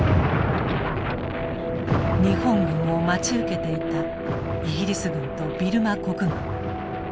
日本軍を待ち受けていたイギリス軍とビルマ国軍。